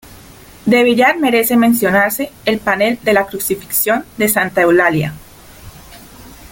De Villar merece mencionarse el panel de la Crucifixión de Santa Eulalia.